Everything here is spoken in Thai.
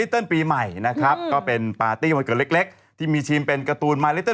ตอนนี้คือทุกคนใช้โทรศัพท์